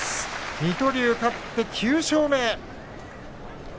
水戸龍、勝って９勝目。